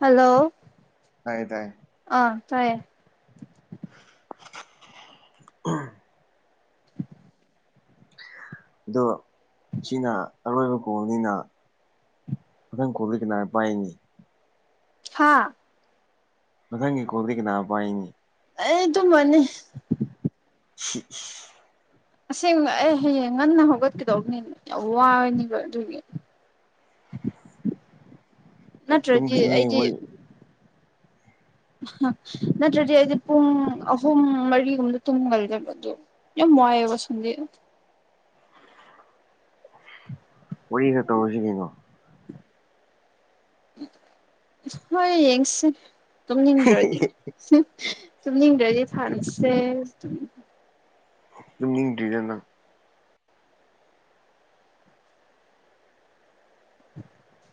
hello ꯇꯥꯏꯌꯦ ꯇꯥꯏꯌꯦ ꯑꯥ ꯇꯥꯏꯌꯦ [unintelligible] [unintelligible] ꯑꯗꯣ ꯁꯤꯅꯥ ꯑꯔꯣꯏꯕ ꯒꯣꯜꯅꯤꯅ ꯑꯗꯨꯗꯪ ꯀꯂꯤ ꯀꯅꯥ ꯄꯥꯏꯅꯤ ꯍꯥꯥ ꯃꯊꯉ ꯒꯣꯜꯗꯤꯀꯅꯥ ꯄꯥꯏꯅꯤ ꯑꯩ ꯇꯨꯝꯃꯅꯤ [unintelligible] ꯑꯁꯦꯡꯕ ꯑꯩ ꯍꯌꯦꯡ ꯉꯟꯅ ꯍꯧꯒꯠꯀꯗꯧꯕꯅꯤꯅ ꯌꯥꯝ ꯋꯥꯔꯅꯤꯕ ꯑꯗꯨꯒꯤ [unintelligible] ꯅꯠꯇ꯭ꯔꯣꯗꯤ ꯇꯨꯝꯈꯤꯅꯨꯍꯦ ꯑꯩꯗꯤ ꯋꯥꯔꯤ ꯅꯠꯇ꯭ꯔꯗꯤ ꯑꯩꯗꯤ ꯄꯨꯡ ꯑꯍꯨꯝ ꯃꯔꯤꯒꯨꯝꯗ ꯇꯨꯝꯒꯜꯗꯕ ꯑꯗꯨ [unintelligible] ꯋꯥꯔꯤ ꯈꯔ ꯇꯧꯔꯁꯤ ꯀꯩꯅꯣ ꯍꯣꯏ ꯌꯦꯡꯁꯤ ꯇꯨꯝꯅꯤꯡꯟꯗ꯭ꯔꯗꯤ ꯇꯨꯝꯅ ꯏꯪ꯭ꯔꯦꯖꯤ ꯊꯥꯟꯕꯁꯦ ꯇꯨꯝꯅꯤꯡꯗꯔꯤꯔꯥ ꯅꯪꯕꯣ [unintelligible]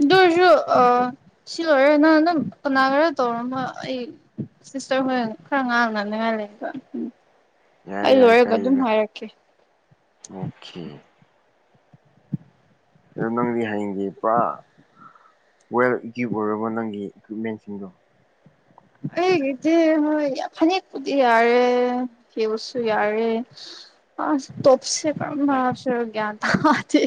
ꯑꯗꯨꯑꯣꯏꯁꯨ ꯑꯥ ꯑꯗꯣ ꯁꯤ ꯑꯣꯏꯔꯦ ꯅꯪ ꯅꯝ ꯀꯅꯥ ꯈꯔ ꯇꯧꯔꯃ ꯑꯩ ꯁꯤꯁꯇꯔ ꯍꯣꯏꯦꯟ ꯈꯔ ꯉꯥꯡꯅꯅꯤꯡ ꯉꯂ ꯌꯥꯏ ꯌꯥꯏ ꯀ ꯑꯗꯨꯝ ꯏꯗꯦ ꯍꯥꯏꯔꯛꯀꯦ ꯑꯗꯣ ꯅꯪꯗꯤ ꯍꯌꯦꯡꯒꯤꯄ꯭ꯔꯥ ꯋꯦꯜ ꯏꯀ꯭ꯤꯞ ꯑꯣꯏꯔꯕꯣ ꯅꯪꯒꯤ ꯏꯀ꯭ꯋꯤꯞꯃꯦꯟꯁꯤꯡꯗꯣ ꯑꯦ ꯏꯗ ꯃꯣꯏ ꯏ ꯐꯥꯟ ꯀꯗꯤ ꯌꯥꯔꯦ ꯍꯕꯨꯁꯨ ꯏꯔꯦ ꯑ ꯇꯣꯞꯁꯦ ꯃꯥꯁ ꯀ꯭ꯌꯥ ꯊ ꯃꯥꯗꯤ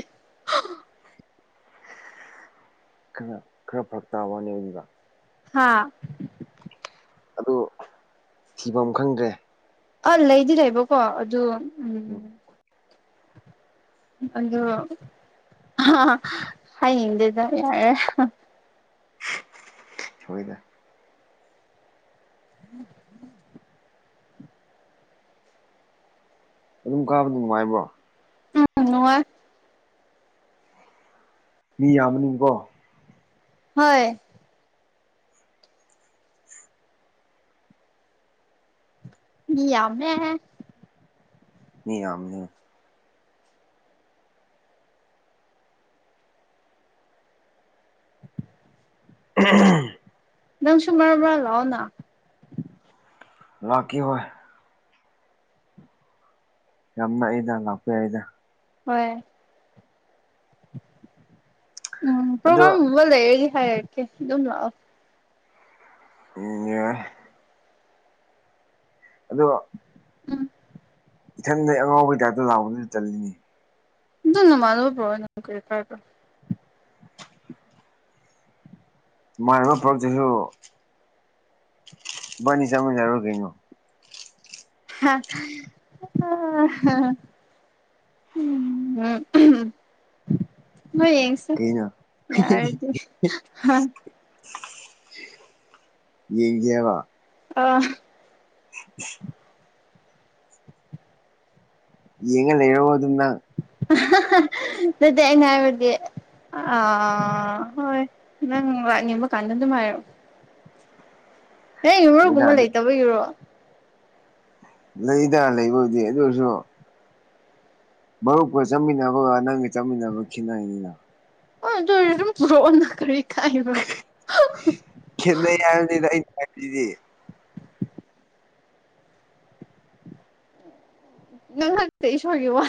ꯈꯔ ꯈꯔ ꯐꯔꯛ ꯇꯥꯕꯅꯦ ꯍꯧꯖꯤꯗ ꯍꯥꯥ ꯑꯗꯨ ꯊꯤꯐꯝ ꯈꯪꯗ꯭ꯔꯦ ꯑ ꯂꯩꯗꯤ ꯂꯩꯕꯀꯣ ꯑꯗꯨ ꯎꯝ ꯑꯗꯨꯗ ꯑ ꯍꯥꯏ ꯍꯦꯗ ꯌꯥꯔꯦ ꯍꯣꯏꯗ ꯎꯝ ꯑꯗꯨꯝ ꯀꯥꯕꯗ ꯅꯨꯡꯉꯥꯏꯕ꯭ꯔꯣ ꯎꯝ ꯅꯉꯥꯏ ꯃꯤ ꯌꯥꯝꯕꯅꯤꯀꯣ ꯍꯣꯏ ꯃꯤ ꯌꯥꯃꯦ ꯃꯤ ꯌꯥꯝꯝꯅ [unintelligible] ꯅꯪ ꯁꯨ ꯃꯔꯛꯔꯛꯕ ꯂꯥꯎꯑꯣꯅ ꯂꯥꯛꯀꯀꯤ ꯍꯣꯏ ꯌꯥꯝꯅ ꯑꯩꯗ ꯂꯥꯛꯄ ꯌꯥꯏꯗ ꯍꯣꯏ ꯎꯝ ꯑꯗꯣ ꯄ꯭ꯔꯣꯒꯥ꯭ꯔꯥꯝꯒꯨꯝꯕ ꯂꯩꯔꯒ ꯍꯥꯏꯔꯛꯀꯦ ꯑꯗꯨꯝ ꯂꯥꯛꯑꯣ ꯏ ꯑꯗꯨꯗ ꯎꯝ ꯏꯊꯟꯗ ꯑꯉꯥꯎꯕꯩ ꯇꯥꯏꯞꯇ ꯂꯥꯎꯕꯗꯨꯅ ꯆꯜꯂꯤꯅꯤ ꯅ ꯃꯥꯜꯕ ꯄ꯭ꯔꯣꯅ ꯀ ꯀꯔꯗ ꯃꯌꯥꯝ ꯄꯕꯖꯦꯛꯁꯨ ꯅꯤ ꯆꯅꯤ ꯌꯥꯔꯣ ꯀꯅꯣ [unintelligible] ꯎꯝ ꯍ ꯌꯦꯡꯁ ꯀꯩꯅꯣ ꯌꯥꯔꯗꯤ [inaudible] ꯌꯦꯡ ꯀꯕ ꯑꯥ [inaudible] ꯌꯦꯉ ꯌꯦꯎꯕ ꯑꯗꯨꯗꯥ ꯑꯗꯨꯗ ꯉꯥꯏꯕꯗꯤ ꯑ ꯍꯣꯏ ꯅꯪ ꯅꯤꯡꯝꯕ ꯀꯅꯗꯨ ꯃꯥꯣ ꯑꯦ ꯌꯨꯔꯣꯒꯨꯝꯕ ꯂꯩꯇꯕ ꯌꯨꯔꯣ ꯂꯩꯗ ꯂꯩꯕꯕꯨꯗꯤ ꯑꯗꯨ ꯑꯣꯏꯁꯨ ꯃꯔꯨꯞꯀ ꯆꯠꯃꯤꯟꯅꯕꯒ ꯅꯪꯒ ꯆꯠꯃꯤꯟꯅꯕ ꯈꯤꯠꯅꯩꯅꯤꯅ ꯑꯣ ꯔꯣꯑꯣ ꯅ ꯀꯔꯤ ꯀꯥꯏꯅꯣ ꯈꯗꯗꯤ ꯅꯪ ꯍꯟꯛꯇꯦ ꯏꯁ ꯏꯁꯣꯔꯒꯤ ꯋꯥ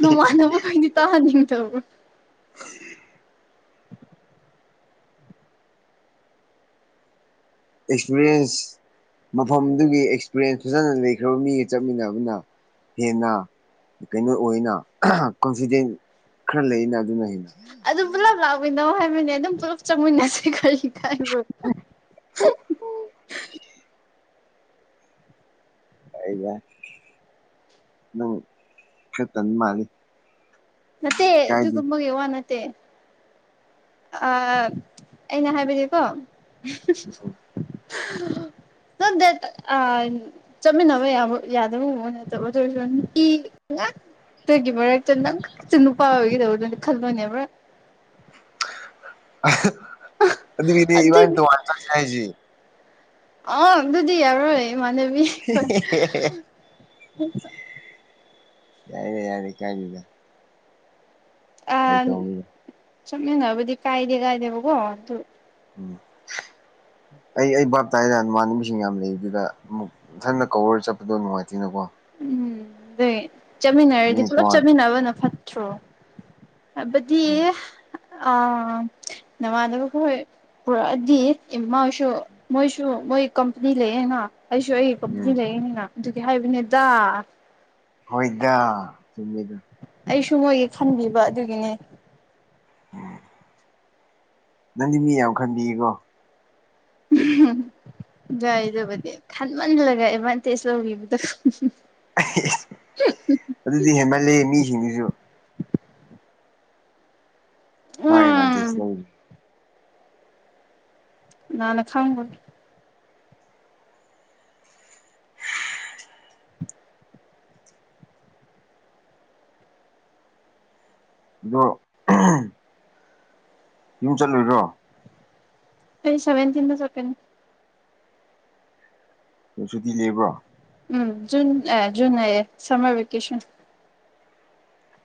ꯅꯣꯡꯃꯥꯟꯅꯕꯈꯩꯗꯤ ꯇꯥꯍꯟꯅꯤꯡꯉ ꯆ ꯑꯦꯛꯁꯄꯤꯔꯤꯌꯦꯟꯁ ꯃꯐꯝꯗꯨꯒꯤ ꯑꯦꯛꯁꯄꯤꯔꯌꯦꯟꯁ ꯐꯖꯅ ꯂꯩꯈ꯭ꯔꯕ ꯃꯤꯒ ꯆꯠꯃꯤꯟꯅꯕꯅ ꯍꯦꯟꯅ ꯀꯩꯅꯣ ꯑꯣꯏꯅ ꯀꯣꯟꯐꯤꯗꯦꯟ ꯈꯔ ꯂꯩꯅ ꯑꯗꯨꯅ ꯍꯦꯟꯅ ꯑꯗꯨ ꯄꯨꯂꯞ ꯂꯥꯛꯃꯤꯟꯅꯣ ꯍꯥꯏꯕꯅꯦ ꯑꯗꯨꯝ ꯄꯨꯜꯂꯞ ꯆꯪꯃꯤꯟꯅꯁꯦ ꯈꯜꯂꯤ ꯍꯥꯏꯕꯨ ꯑꯩꯒ ꯅꯪ ꯈꯇꯅꯤ ꯃꯥꯅꯤ ꯅꯠꯇꯦ ꯑꯗꯨ ꯊꯃꯒ ꯌ ꯋꯥ ꯅ ꯑ ꯑꯩꯅ ꯍꯥꯏꯕꯁꯀꯣ [unintelligible] ꯗꯦ ꯑ ꯆꯠꯃꯤꯟꯅꯕ ꯌꯥꯕ ꯌꯥꯗꯕ ꯅꯠꯇꯕ ꯇꯒꯤꯕꯔ ꯆ ꯅꯪ ꯏꯆ ꯅꯨꯄꯥ ꯑꯣꯏꯒꯗꯧꯕꯗꯗꯤ ꯈꯜꯂꯅꯦꯕ꯭ꯔꯥ ꯑ ꯃꯤꯗꯤ ꯑꯗꯨ ꯏꯕꯥꯅꯤ ꯇꯨ ꯋꯥꯔꯆꯥ ꯀ ꯍꯥꯏꯖꯤ ꯑ ꯑꯗꯨꯗꯤ ꯌꯥꯔꯣꯏ ꯃꯅꯦꯕꯤ ꯌꯥꯏꯔꯦ ꯌꯥꯔꯦ ꯀ ꯌꯨꯗ [unintelligible] ꯆꯃꯦꯅꯕꯨꯗꯤ ꯀꯥꯏꯗꯦ ꯀꯥꯏꯗꯦꯕ ꯀꯣ ꯑꯗꯨ ꯎꯝ ꯑꯩ ꯑꯩ ꯕꯥꯥꯞ ꯇꯥꯏꯔ ꯅꯃꯥꯟꯅꯕꯤꯁꯤꯡ ꯌꯥꯝ ꯂꯩꯕꯗꯨꯗ ꯑꯃꯨꯛ ꯏꯊꯟꯅ ꯀꯋꯔ ꯆꯠꯄꯗꯣ ꯅꯨꯡꯉꯥꯏꯇꯣꯏꯅꯀꯣ ꯎꯝ ꯑꯗꯨꯩ ꯃꯤ ꯆꯠꯃꯤꯟꯅꯔꯗꯤ ꯄꯨꯂꯞ ꯇꯣꯉꯥꯟ ꯆꯠꯃꯤꯟꯅꯕꯅ ꯐꯠꯇ꯭ꯔꯣ ꯕꯗꯤ ꯎꯝ ꯑꯥ ꯅꯃꯥꯟꯅꯕꯕꯨ ꯍꯣꯏ ꯄꯨꯔꯛꯑꯗꯤ ꯏꯃꯣꯏꯁꯨ ꯃꯣꯏꯁꯨ ꯃꯣꯏ ꯀꯝꯄꯅꯤ ꯂꯩꯌꯦꯦꯅ ꯑꯩꯁꯨ ꯑꯩꯒꯤ ꯀꯝꯄꯅꯤ ꯎꯝ ꯂꯩꯅꯤꯅ ꯑꯗꯨꯒꯤ ꯍꯥꯏꯕꯅꯦꯗ ꯍꯣꯏꯗ ꯆꯨꯝꯃꯗ ꯑꯩꯁꯨ ꯃꯣꯏꯒꯤ ꯈꯟꯕꯤꯕ ꯑꯗꯨꯒꯤꯅꯦ ꯎꯝ ꯅꯪꯗꯤ ꯃꯤ ꯌꯥꯝ ꯈꯟꯕꯤꯌꯦꯀꯣ ꯑꯝꯍꯝ ꯌꯥꯒꯥꯏꯗꯕꯗꯤ ꯈꯟꯃꯜꯂꯒ ꯑꯦꯗꯚꯥꯟꯇꯦꯖ ꯂꯧꯕꯤꯕꯗꯣ ꯑꯗꯨꯗꯤ ꯍꯦꯟꯃꯜꯂꯦ ꯃꯤꯁꯤꯡꯁꯤꯁꯨ ꯃꯥ ꯎꯝ ꯑꯦꯗꯚꯥꯟꯇꯦꯖ ꯂꯧ ꯅꯅ ꯈꯪꯕ ꯑꯗꯣ ꯑꯝꯍꯝ ꯌꯨꯝ ꯆꯠꯂꯨꯔꯣ ꯑꯩ ꯁꯕꯦꯟꯇꯤꯟꯗ ꯆꯠꯀꯅꯤ ꯀ ꯁꯨꯇꯤ ꯂꯩꯕ꯭ꯔꯣ ꯎꯝ ꯖꯨꯟ ꯑꯦ ꯖꯨꯟ ꯑꯌꯦ ꯁꯃꯔ ꯚꯦꯀꯦꯁꯟ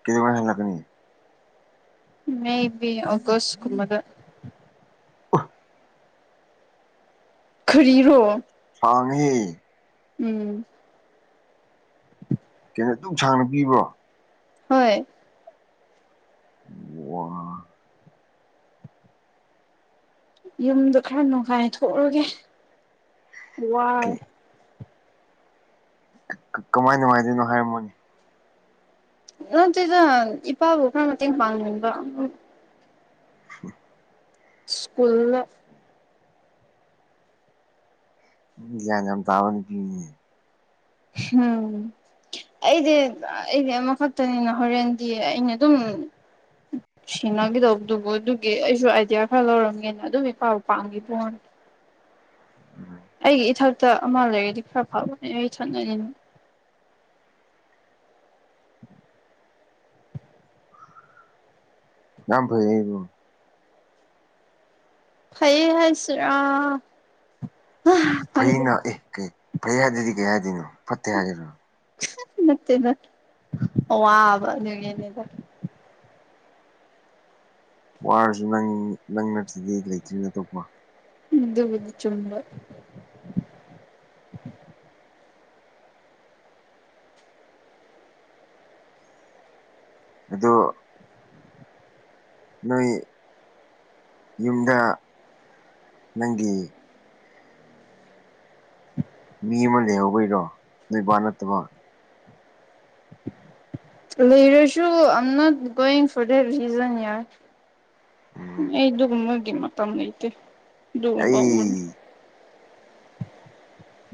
ꯀꯩꯗꯧꯉꯩ ꯍꯜꯂꯛꯀꯅꯤ ꯃꯦ ꯒꯤ ꯑꯣꯒꯁ ꯀꯨꯝ ꯕꯗ ꯑꯍ ꯈꯔꯤꯔꯣ ꯐꯥꯉꯤ ꯎꯝ ꯑꯩꯅ ꯑꯗꯨ ꯁꯥꯡꯅ ꯄꯤꯕ꯭ꯔꯣ ꯍꯣꯏ ꯋꯥ ꯌꯨꯝꯗꯣ ꯈꯔ ꯅꯨꯡꯉꯥꯏ ꯊꯣꯛꯂꯒꯦ ꯋꯥꯏ ꯀꯃꯥꯏꯅ ꯅꯨꯡꯉꯥꯏꯗꯣꯏꯅꯣ ꯍꯥꯏꯔꯝꯃꯣꯅꯤ ꯅꯠꯇꯦꯗ ꯏꯄꯥꯕꯨ ꯈꯔ ꯃꯠꯇꯦꯡ ꯄꯥꯡꯉꯕ ꯑꯟꯑꯣꯗꯤꯕꯜ ꯁ꯭ꯀꯨꯜ ꯒ꯭ꯌꯥꯟ ꯌꯥꯝ ꯇꯥꯕ ꯃꯤꯅꯤꯅꯦ ꯍꯝ ꯑꯩꯗꯤ ꯑꯩꯗꯤ ꯑꯃꯈꯛꯇꯅꯤꯅ ꯍꯣꯔꯦꯟꯗꯤ ꯑꯩꯅ ꯑꯗꯨꯝ ꯁꯤꯟꯅꯈꯤꯗꯧꯕꯗꯨꯕꯨ ꯑꯗꯨꯒꯤ ꯑꯩꯁꯨ ꯑꯥꯏꯗꯤꯌꯥ ꯈꯔ ꯂꯧꯔꯝꯒꯦꯅ ꯑꯗꯨꯝ ꯏ ꯄꯥꯎ ꯄꯥꯝꯒꯤ ꯐꯣꯟ ꯑꯩꯒꯤ ꯏꯊꯛꯇ ꯑꯃ ꯂꯩꯔꯗꯤ ꯈꯔ ꯐꯕꯅꯦ ꯑꯩ ꯊꯛꯅꯔꯤꯅꯦ ꯌꯥꯝ ꯐꯌꯦ ꯑꯗꯨ ꯐꯩꯌꯦ ꯍꯥꯏꯁꯤꯔꯥ ꯈꯪꯗꯦ ꯐꯩꯅ ꯑꯦ ꯀꯩ ꯐꯩ ꯍꯥꯏꯗꯗꯤ ꯀꯩ ꯍꯥꯏꯗꯣꯏꯅꯣ ꯐꯠꯇꯦ ꯍꯥꯏꯒꯦꯔꯣ ꯅꯠꯇꯦꯗ ꯑꯋꯥꯕ ꯑꯗꯨꯅꯦꯗ ꯋꯥꯔꯁꯨ ꯅꯪ ꯅꯪ ꯅꯠꯇ꯭ꯔꯗꯤ ꯂꯩꯇ꯭ꯔꯤ ꯅꯤ ꯑꯇꯣꯞꯄ ꯑꯗꯨꯕꯨꯗꯤ ꯆꯨꯝꯕ ꯑꯗꯣ ꯅꯣꯏ ꯌꯨꯝꯗ ꯅꯪꯒꯤ ꯃꯤ ꯑꯃ ꯂꯩꯍꯧꯕꯩꯔꯣ ꯅꯣꯏꯕꯥ ꯅꯠꯇꯕ ꯂꯩꯔꯦꯁꯨ I'm not going for that reason ꯌꯥꯔ ꯎꯝ ꯑꯩꯗꯨꯒꯨꯝꯕꯒꯤ ꯃꯇꯝ ꯂꯩꯇꯦ ꯑꯗꯨꯒ ꯑꯩ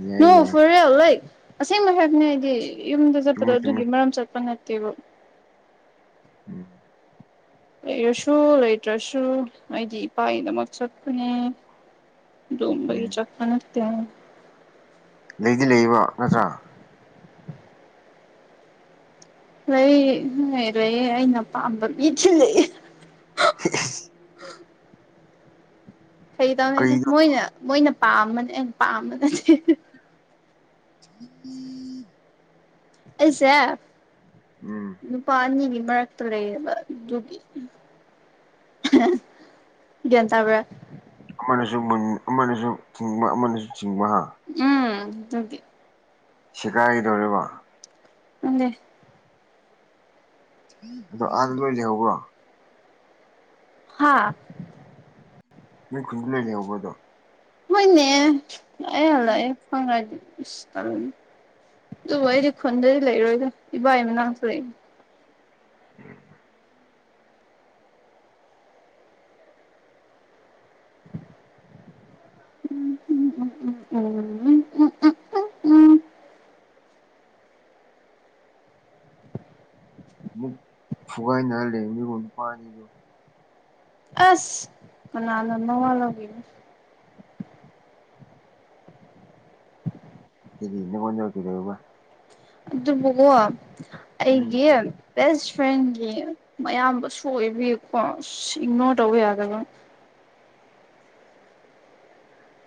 ꯌꯥꯏ ꯅꯣꯡ ꯌꯥꯏ ꯐꯨꯔꯜ ꯂꯥꯏꯛ ꯑꯁꯦꯡꯕ ꯍꯥꯏꯕꯅꯦ ꯑꯩꯗꯤ ꯌꯨꯝꯗ ꯆꯠꯄꯗꯣ ꯆꯨꯝꯃꯤ ꯆꯨꯝꯃꯤ ꯑꯗꯨꯒꯤ ꯃꯔꯝ ꯆꯠꯄ ꯅꯠ ꯀꯩꯕꯨ ꯎꯝ ꯂꯩꯔꯁꯨ ꯂꯩꯇ꯭ꯔꯁꯨ ꯑꯩꯗꯤ ꯏꯄꯥꯒꯤꯗꯃꯛ ꯆꯠꯄꯅꯦ ꯑꯗꯨꯒꯨꯝꯕꯒꯤ ꯎꯝ ꯆꯠꯄ ꯅꯠꯇꯦ ꯂꯩꯗꯤ ꯂꯩꯕ ꯅꯠꯇ꯭ꯔꯥ ꯂꯩꯌꯦ ꯂꯩꯌꯦ ꯑꯩꯅ ꯄꯥꯝꯕ ꯃꯤꯗꯤ ꯂꯩꯌꯦ [unintelligible] ꯀꯩꯇꯧꯅꯤ ꯀꯩꯅꯣ ꯃꯣꯏꯅ ꯃꯣꯏꯅ ꯄꯥꯝꯕꯅꯦ ꯑꯩꯅ ꯄꯥꯝꯕ ꯅꯠꯇꯦ ꯎꯝ ꯑꯦꯁꯦ ꯎꯝ ꯑꯗꯨ ꯄꯥꯔꯅꯤ ꯃ ꯇꯔꯕ ꯌꯨ ꯌꯦꯇꯕ꯭ꯔ ꯑꯃꯅꯁꯨ ꯃꯟ ꯑꯃꯅꯁꯨ ꯊꯤꯡꯕ ꯑꯃꯅꯁꯨ ꯊꯤꯡꯕ ꯍꯥ ꯊꯦ ꯁꯤꯒꯥꯏꯒꯗꯧꯔꯤꯕ ꯑ ꯑꯗꯣ ꯑꯍꯥꯟꯕꯗ ꯂꯣꯏ ꯂꯩꯍꯧꯕ꯭ꯔꯣ ꯍꯥꯥ ꯅꯣꯏ ꯈꯨꯟꯗꯨ ꯂꯩꯅꯦꯍꯧꯕ ꯑꯗꯣ ꯃꯣꯏꯅꯦ ꯑꯂ ꯌꯦ ꯐꯥꯏ ꯏꯁ ꯑꯗꯨꯕꯨ ꯑꯩꯗꯤ ꯈꯨꯟꯗꯗꯤ ꯂꯩꯔꯣꯏꯗ ꯏꯕꯥ ꯏ ꯃꯅꯥꯛꯇ ꯂꯩ ꯎꯝ ꯎꯝ ꯎꯝ ꯎꯝ ꯎꯝ ꯎꯝ ꯎꯝ ꯎꯝ ꯎ ꯎꯝ ꯑꯃꯨꯛ ꯐꯨꯒꯥꯏ ꯅ ꯂꯩꯔꯝꯅꯤ ꯀꯣ ꯅꯨꯄꯥ ꯑꯅꯤꯗꯣ ꯑꯁ ꯀꯅꯥꯅꯥ ꯃꯋꯥ ꯂꯧꯕꯤꯅꯤ ꯀꯥꯔꯤ ꯅꯥꯉꯣꯜꯗ ꯀꯩꯗꯧꯕ ꯑꯗꯨ ꯑꯗꯨꯕꯨꯀꯣ ꯎꯝ ꯑꯩꯒꯤ ꯕꯦꯁ ꯐ꯭ꯔꯦꯟꯒꯤ ꯃꯌꯥꯝꯕꯁꯨ ꯑꯣꯏꯕꯥꯒꯤꯀꯣ ꯏꯛꯅꯣꯔ ꯇꯧꯕ ꯌꯥꯗꯕ [unintelligible]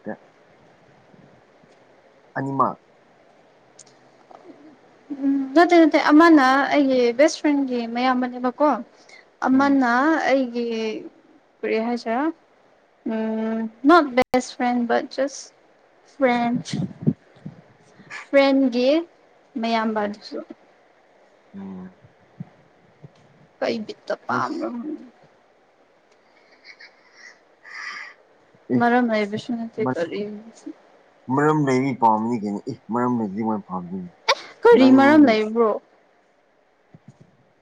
ꯀ [unintelligible] ꯑꯅꯤ ꯃꯛ ꯑꯝ ꯅꯠꯇꯦ ꯅꯠꯇꯦ ꯑꯃꯅ ꯑꯩꯒꯤ ꯕꯦꯁ ꯐ꯭ꯔꯦꯟꯒꯤ ꯃꯌꯥꯝꯕꯅꯦꯕꯀꯣ ꯎꯝ ꯑꯃꯅ ꯑꯩꯒꯤ ꯀꯔꯤ ꯍꯥꯏꯁꯤꯔꯥ ꯎꯝ ꯅꯣꯠ ꯕꯦꯁꯇ꯭ ꯐꯔ꯭ꯤꯑꯦꯟꯗ ꯕꯨꯠ ꯖꯨꯁꯇ꯭ ꯐꯔ꯭ꯤꯑꯦꯟꯗꯥ ꯐ꯭ꯔꯦꯟꯒꯤ ꯃꯌꯥꯝꯕꯅꯦ ꯑꯝ ꯀꯩ ꯕꯤꯠꯇ ꯑꯁ ꯄꯥꯝ꯭ꯕꯔ ꯈꯪꯗꯦ ꯑꯦ ꯃꯔꯝ ꯂꯩꯕꯥꯁꯨ ꯅꯠꯇꯦ ꯀꯔꯤ ꯄꯥꯝꯅꯤꯒꯅꯦ ꯑꯦ ꯃꯔꯝꯂꯩꯇꯔꯗꯤ ꯀꯃꯥꯏ ꯄꯥꯝꯗꯣꯏꯅꯣ ꯑꯦ ꯀꯥꯔꯤ ꯃꯔꯝ ꯅꯪꯁꯨ ꯂꯩꯕ꯭ꯔꯣ [unintelligible]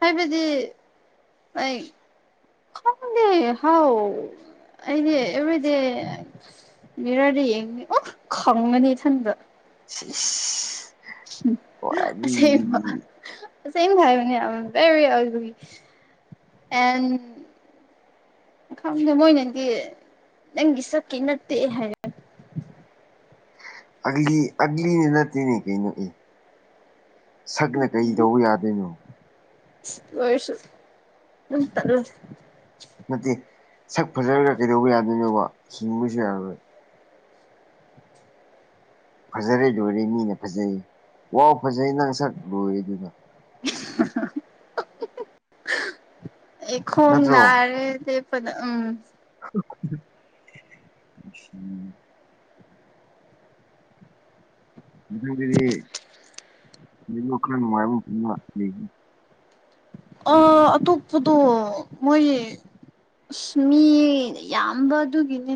ꯍꯥꯏꯕꯗꯤ ꯑꯩ ꯈꯪꯗꯦ ꯍꯥꯎ ꯑꯩꯗꯤ ꯑꯕꯔꯤꯗꯦ ꯃꯤꯔꯥꯔꯗ ꯌꯦꯡꯂꯥꯗꯤ ꯑꯣ ꯈꯪꯒꯅꯤ ꯏꯊꯟꯗ ꯏꯁ ꯏꯁ꯭ ꯑꯁꯦꯡꯕꯥ ꯑꯁꯦꯡꯕ ꯍꯥꯏꯕꯅꯦ ꯑ ꯑꯦꯝ ꯕꯦꯔꯤ ꯑꯥꯒꯂꯤ ꯑꯦꯟ ꯈꯪꯗꯦ ꯃꯣꯏꯅꯗꯤ ꯅꯪꯒꯤ ꯁꯛꯀꯤ ꯅꯠꯇꯦ ꯍꯥꯏꯔꯦ ꯑꯒꯥꯂꯤ ꯑꯒꯥꯂꯤꯅꯤ ꯅꯠꯇꯦꯅꯤ ꯀꯩꯅꯣꯅꯦ ꯁꯛꯅ ꯀꯩ ꯇꯧꯕ ꯌꯥꯗꯣꯏꯅꯣ ꯑꯗꯨ ꯑꯣꯏꯔꯁꯨ ꯑꯗꯨꯝ ꯇ꯭ꯠꯂꯦ ꯅꯠꯇꯦ ꯁꯛ ꯐꯖꯔꯒ ꯀꯩꯗꯧꯕꯥ ꯌꯥꯗꯣꯏꯅꯣꯕ ꯁꯤꯡꯕꯁꯨ ꯌꯥꯔꯣꯏ ꯐꯖꯔꯦ ꯂꯣꯏꯔꯦ ꯃꯤꯅ ꯐꯖꯩ ꯋꯥꯎ ꯐꯖꯩ ꯅꯪ ꯁꯛ ꯂꯣꯏꯔꯦ ꯑꯗꯨꯒ ꯍꯥꯍꯥꯍꯥ ꯑꯩ ꯅꯠꯇ꯭ꯔꯣ ꯈꯣꯡꯅꯥꯔꯦ ꯂꯦꯞꯄꯗ ꯎꯝ ꯎ [inaudible] ꯃꯊꯪꯗꯗꯤ ꯔꯦꯃꯣꯠ ꯈꯔꯥ ꯅꯨꯡꯉꯥꯏꯕ ꯑꯃ ꯄꯨꯔꯥꯒ ꯂꯥꯛꯇꯣꯏꯅꯦ ꯑꯣ ꯑꯇꯣꯞꯄꯗꯣ ꯃꯣꯏ ꯎꯏ ꯃꯤ ꯌꯥꯝꯕ ꯑꯗꯨꯒꯤꯅꯦ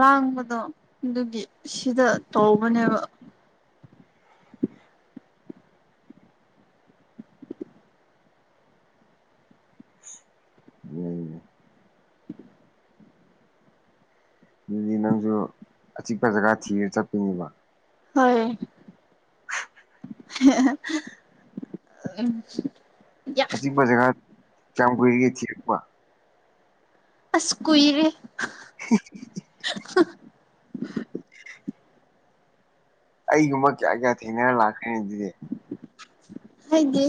ꯂꯥꯡꯕꯗꯣ ꯑꯗꯨꯒꯤ ꯁꯤꯗ ꯎꯝ ꯇꯧꯎꯕꯅꯦꯕ ꯎꯝ ꯑꯗꯨꯗꯤ ꯅꯪꯁꯨ ꯑꯆꯤꯛꯄ ꯖꯒꯥ ꯊꯤꯔꯥ ꯆꯠꯄꯅꯦꯕ ꯍꯣꯏ ꯍꯦ ꯍꯦ ꯎꯝ ꯑꯆꯤꯛꯄ ꯖꯒꯥ ꯀꯌꯥꯝ ꯀꯨꯏꯔꯒꯦ ꯊꯤꯔꯛꯄ ꯑꯁ ꯀꯨꯏꯔꯦ ꯍꯥꯍꯥ ꯑꯩꯒꯨꯝꯕ ꯀꯌꯥ ꯀꯌꯥ ꯊꯦꯡꯅꯔ ꯂꯥꯛꯈ꯭ꯔꯦꯅꯦ ꯑꯗꯨꯗꯤ ꯍꯥꯏ ꯗꯤ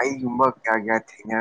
ꯑꯩꯒꯨꯝꯕ ꯀꯌꯥ ꯀꯌꯥ ꯊꯦꯡꯅꯔꯥꯛ